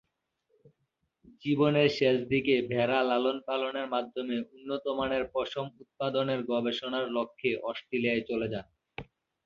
জীবনের শেষদিকে ভেড়া লালন-পালনের মাধ্যমে উন্নতমানের পশম উৎপাদনের গবেষণার লক্ষ্যে অস্ট্রেলিয়ায় চলে যান।